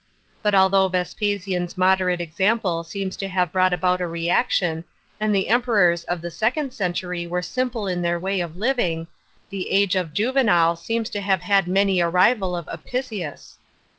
Hut although Vespasian's moderate example seems to have brought about a reaction, and the Emperors of the second century were simple in their way of living, the age of Juvenal seems to have had many a rival of Apicius.